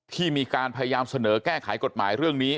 ที่มีการพยายามเสนอแก้ไขกฎหมายเรื่องนี้